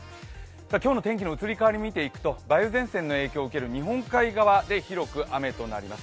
今日の天気の移り変わりを見ていくと梅雨前線の影響を受ける日本海側で広く雨となります。